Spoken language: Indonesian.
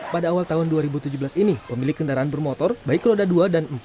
pada awal tahun dua ribu tujuh belas ini pemilik kendaraan bermotor baik roda dua dan empat